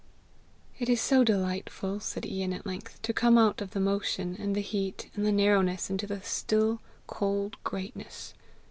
"It is so delightful," said Ian at length, "to come out of the motion and the heat and the narrowness into the still, cold greatness!"